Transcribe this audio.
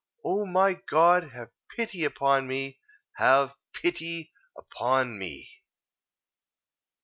"Oh, my God, have pity upon me! have pity upon me!"